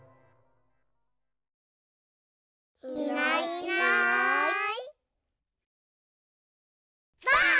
いないいないばあっ！